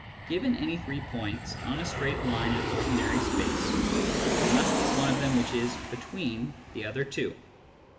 Given any three points on a straight line in ordinary space, there must be one of them which is between the other two.